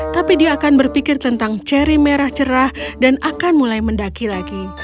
tapi dia akan berpikir tentang cherry merah cerah dan akan mulai mendaki lagi